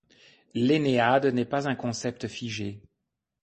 L'ennéade n'est pas un concept figé.